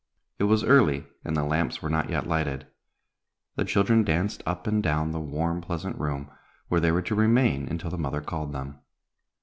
It was early, and the lamps were not yet lighted. The children danced up and down the warm, pleasant room, where they were to remain until the mother called them.